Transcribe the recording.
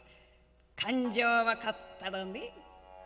勘定分かったらね